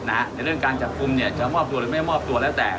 ในเรื่องการจับกลุ่มจะมอบตัวหรือไม่มอบตัวแล้วแต่